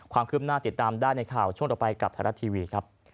ความคืบหน้าติดตามได้ในข่าวช่วงต่อไปกับไทยรัฐทีวีครับ